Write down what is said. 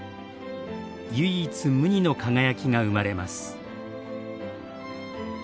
唯一無二の輝きが生まれます。